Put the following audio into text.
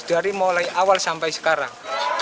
dari mulai awal sampai sekarang